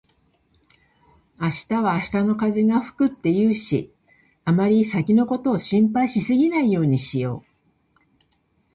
「明日は明日の風が吹く」って言うし、あまり先のことを心配しすぎないようにしよう。